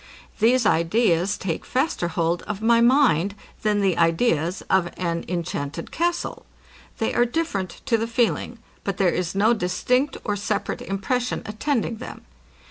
These ideas take faster hold of my mind, than the ideas of an inchanted castle. They are different to the feeling; but there is no distinct or separate impression attending them.